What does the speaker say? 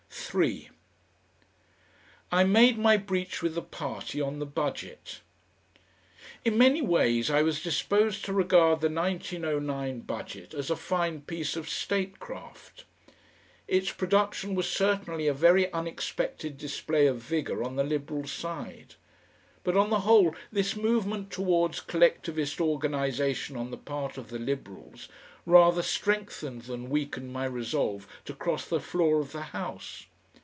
3 I made my breach with the party on the Budget. In many ways I was disposed to regard the 1909 Budget as a fine piece of statecraft. Its production was certainly a very unexpected display of vigour on the Liberal side. But, on the whole, this movement towards collectivist organisation on the part of the Liberals rather strengthened than weakened my resolve to cross the floor of the house.